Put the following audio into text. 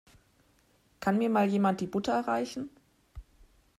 Kann mir Mal jemand die Butter reichen?